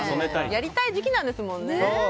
やりたい時期なんですもんね。